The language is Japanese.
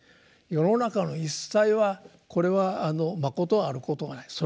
世の中の一切はこれはまことあることがない。